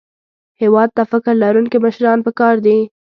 هېواد ته فکر لرونکي مشران پکار دي